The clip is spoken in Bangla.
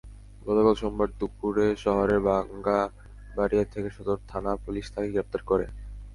গতকাল সোমবার দুপুরে শহরের বাংগাবাড়িয়া থেকে সদর থানা–পুলিশ তাঁকে গ্রেপ্তার করে।